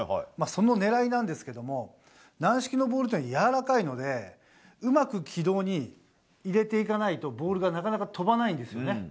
その狙いなんですが軟式のボールはやわらかいのでうまく軌道に入れていかないとボールがなかなか飛ばないんです。